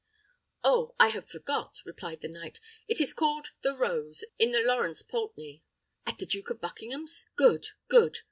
"Oh! I had forgot," replied the knight; "it is called the Rose, in the Laurence Poultney." "At the Duke of Buckingham's! Good, good!"